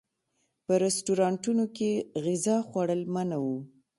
په رسټورانټونو کې غذا خوړل منع و.